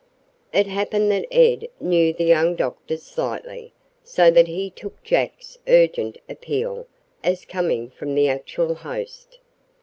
It happened that Ed knew the young doctor slightly, so that he took Jack's urgent "appeal" as coming from the actual host.